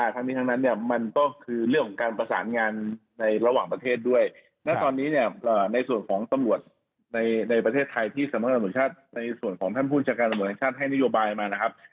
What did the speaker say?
ก็คือเรื่องของการประสานงานในระหว่างประเทศด้วยและตอนนี้เนี่ยในส่วนของตำรวจในประเทศไทยที่สำหรับการอำนวยชาติในส่วนของท่านผู้จัดการอำนวยชาติให้นโยบายมานะครับ